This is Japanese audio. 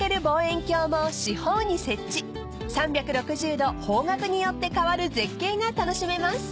［３６０度方角によって変わる絶景が楽しめます］